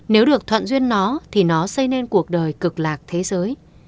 nếu được thuận duyên nó thì nó xây nên cuộc đời cực lạc thế giới